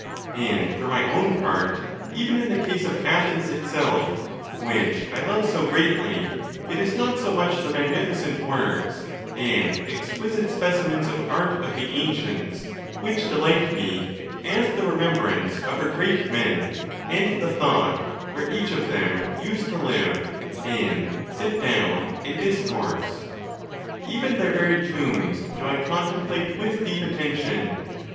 And for my own part, even in the case of Athens itself, which I love so greatly, it is not so much the magni ficent works, and exquisite specimens of art of the ancients, which delight me, as the remembrance of her great men, and the thought where each of them used to live, and sit down and discourse. Even their very tombs do I contemplate with deep attention.